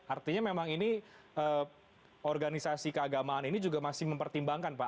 artinya memang ini organisasi keagamaan ini juga masih mempertimbangkan pak